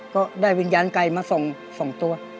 ก็ได้วิญญาณไก่มา๒ตัว